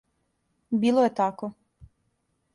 Било је тако.